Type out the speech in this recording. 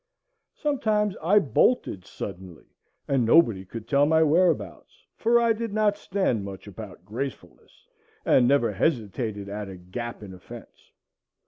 Sometimes I bolted suddenly, and nobody could tell my whereabouts, for I did not stand much about gracefulness, and never hesitated at a gap in a fence.